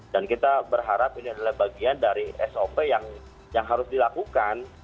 kita berharap ini adalah bagian dari sop yang harus dilakukan